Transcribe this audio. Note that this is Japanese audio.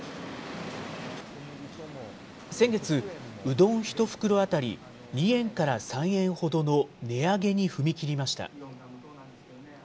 先月、うどん１袋当たり２円から３円ほどの値上げに踏み切りました。